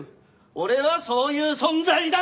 俺はそういう存在だ！